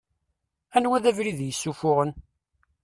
Anwa abrid i yessuffuɣen?